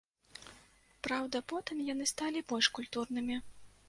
Праўда, потым яны сталі больш культурнымі.